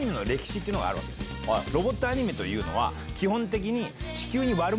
ロボットアニメというのは基本的に。